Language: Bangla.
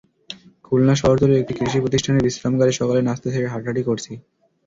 খুলনা শহরতলির একটি কৃষি প্রতিষ্ঠানের বিশ্রামাগারে সকালের নাশতা সেরে হাঁটাহাঁটি করছি।